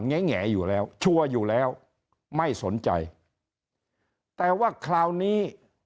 แง่อยู่แล้วชัวร์อยู่แล้วไม่สนใจแต่ว่าคราวนี้